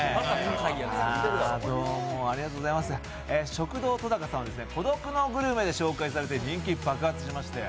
食堂とだかさんは「孤独のグルメ」でご紹介されて人気爆発しまして。